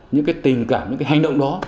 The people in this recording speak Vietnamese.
những cái tình cảm những cái hành động đó